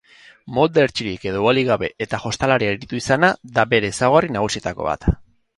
Molde hertsirik edo uhalik gabe eta jostalari aritu izana da bere ezaugarri nagusietako bat.